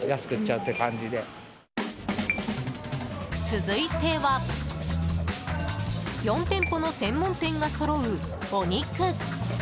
続いては４店舗の専門店がそろうお肉。